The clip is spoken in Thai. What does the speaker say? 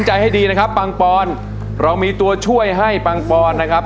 ใจให้ดีนะครับปังปอนเรามีตัวช่วยให้ปังปอนนะครับ